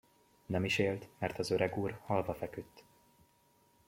Nem is élt, mert az öregúr halva feküdt.